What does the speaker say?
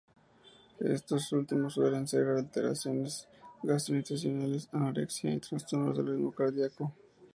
Estos últimos suelen ser alteraciones gastrointestinales, anorexia y trastornos del ritmo cardíaco.